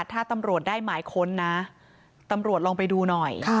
ถ้าตำรวจได้หมายค้นนะตำรวจลองไปดูหน่อย